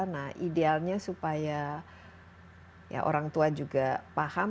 nah idealnya supaya orang tua juga paham